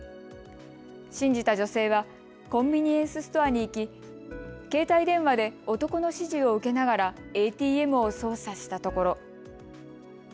信じた女性はコンビニエンスストアに行き携帯電話で男の指示を受けながらＡＴＭを操作したところ。